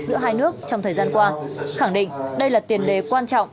giữa hai nước trong thời gian qua khẳng định đây là tiền đề quan trọng